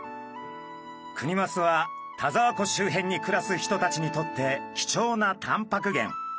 クニマスは田沢湖周辺に暮らす人たちにとって貴重なタンパク源。